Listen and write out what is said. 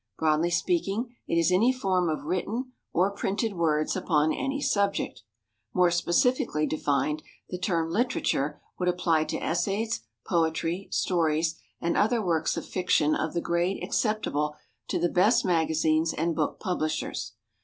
Broadly speaking, it is any form of written or printed words upon any subject. More specifically defined, the term "literature" would apply to essays, poetry, stories, and other works of fiction of the grade acceptable to the best magazines and book publishers.